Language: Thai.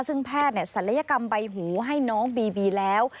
ซึ่งแพทย์ศัลยกรรมใบหูให้น้องบีบีแล้ว